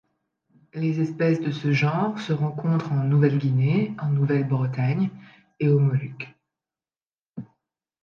Les espèces de ce genre se rencontrent en Nouvelle-Guinée, en Nouvelle-Bretagne et aux Moluques.